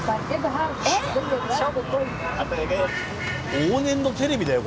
往年のテレビだよこれ。